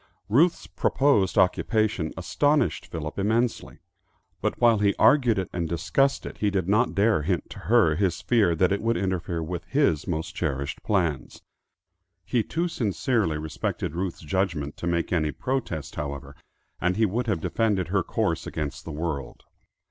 Ruth's proposed occupation astonished Philip immensely, but while he argued it and discussed it, he did not dare hint to her his fear that it would interfere with his most cherished plans. He too sincerely respected Ruth's judgment to make any protest, however, and he would have defended her course against the world.